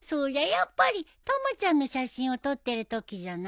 やっぱりたまちゃんの写真を撮ってるときじゃない？